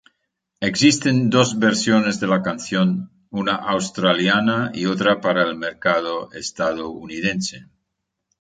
Existen dos versiones de la canción: una australiana y otra para el mercado estadounidense.